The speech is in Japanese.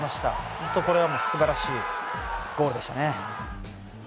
本当これはすばらしいゴールでしたね。